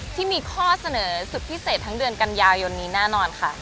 ที่มีข้อเสนอสุดพิเศษทั้งเดือนกันยายนนี้แน่นอนค่ะ